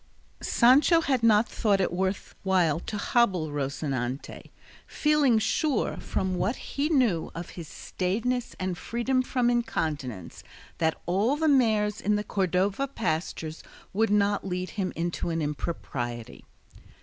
Sancho had not thought it worth while to hobble Rocinante, feeling sure, from what he knew of his staidness and freedom from incontinence, that all the mares in the Cordova pastures would not lead him into an impropriety.